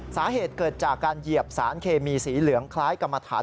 สาเหตุเกิดจากการเหยียบสารเคมีสีเหลืองคล้ายกรรมฐาน